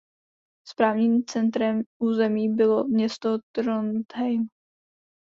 Správním centrem území bylo město Trondheim.